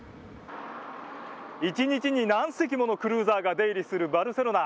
１日に何隻ものクルーザーが出入りするバルセロナ。